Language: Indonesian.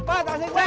pak tasik m